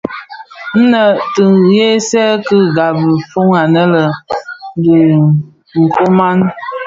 Nnë ti ghèsèè ki ghabi fœug annë dhi nkonag.